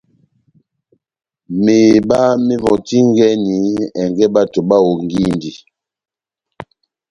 Meheba mewɔtingɛni ɛngɛ bato bahongindi.